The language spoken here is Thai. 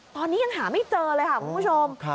ตอนนี้ยังหาไม่เจอเลยค่ะคุณผู้ชม